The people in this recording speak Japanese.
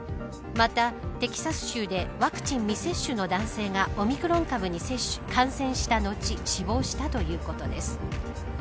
また、テキサス州でワクチン未接種の男性がオミクロン株に感染した後死亡したということです。